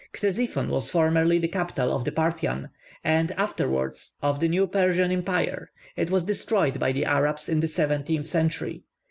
Ctesiphon was formerly the capital of the Parthian, and afterwards of the new Persian empire: it was destroyed by the Arabs in the seventeenth century.